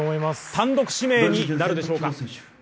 単独指名になるでしょうか。